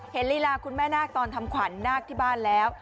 ลีลาคุณแม่นาคตอนทำขวัญนาคที่บ้านแล้ว